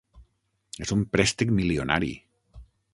És un préstec milionari.